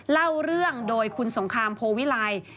เล่าเรื่องโดยคุณสงครามโพวิลัย